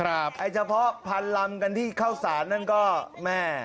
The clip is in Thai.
ไอ้เฉพาะพันลำกันที่เข้าสารนั่นก็แม่